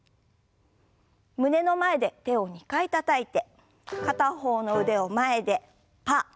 胸の前で手を２回たたいて片方の腕を前でパー。